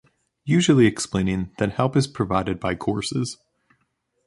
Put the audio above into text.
Usually explaining that help is provided by courses